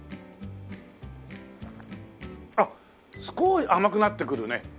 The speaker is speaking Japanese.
あっ甘くなってくるね。